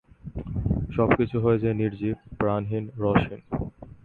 সবকিছু হয়ে যায় নির্জীব, প্রাণহীন, রসহীন।